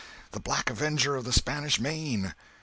—the Black Avenger of the Spanish Main!"